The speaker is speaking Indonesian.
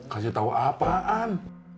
kasih tahu apaan